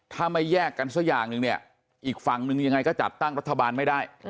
ถ้าไม่แยกกันสักอย่างหนึ่งเนี่ยอีกฝั่งหนึ่งยังไงก็จัดตั้งรัฐบาลไม่ได้